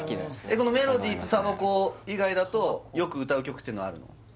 この「メロディー」と「たばこ」以外だとよく歌う曲っていうのはあるの？